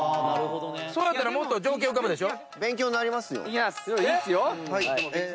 それやったらもっと状況浮かぶでしょ。